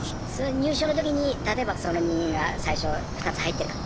入所のときに例えばその人間が最初２つ入ってたと。